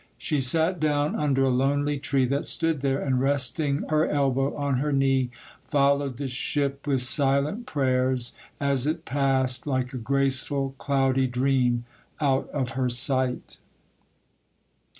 She sat down under a lonely tree that stood there, and, resting her elbow on her knee, followed the ship with silent prayers, as it passed, like a graceful, cloudy dream, out of her sight.